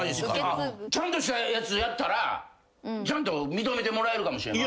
ちゃんとしたやつやったらちゃんと認めてもらえるかもしれない。